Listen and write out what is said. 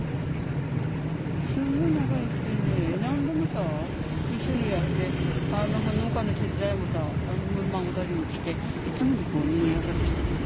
すごい仲よくてね、なんでもさ、一緒にやって、農家の手伝いもさ、孫たちも来て、いつもにぎやかでしたよ。